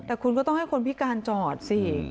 แต่คุณก็ต้องให้คนพิการจอดสิ